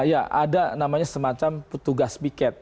ya ada namanya semacam petugas biket